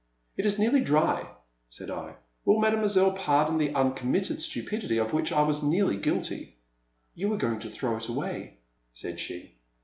It is nearly dry," said I ;will Mademoiselle pardon the uncommitted stupidity of which I was nearly guilty." You were going to throw it away," said she.